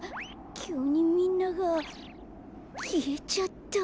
きゅうにみんながきえちゃった。